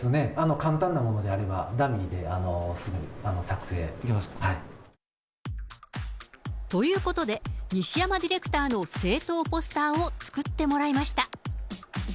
簡単なものであれば、ダミーですぐ作成できます。ということで、西山ディレクターの政党ポスターを作ってもらいました。